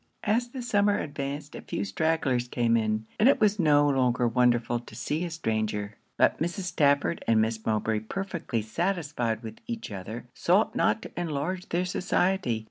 As the summer advanced, a few stragglers came in, and it was no longer wonderful to see a stranger. But Mrs. Stafford and Miss Mowbray, perfectly satisfied with each other, sought not to enlarge their society.